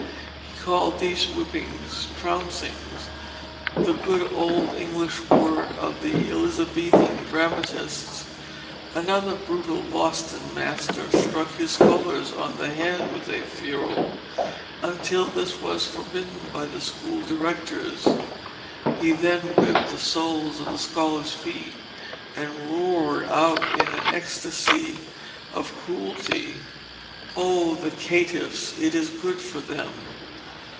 He called these whippings trouncings, the good old English word of the Elizabethan dramatists. Another brutal Boston master struck his scholars on the head with a ferule, until this was forbidden by the school directors; he then whipped the soles of the scholars' feet, and roared out in an ecstasy of cruelty, "Oh! the Caitiffs! it is good for them."